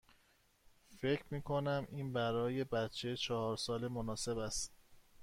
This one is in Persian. فکر می کنید این برای یک بچه چهار ساله مناسب است؟